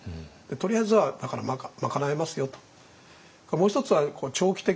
とりあえずはだから賄えますよと。